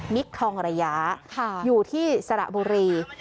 ทองระยะอยู่ที่สระบุรี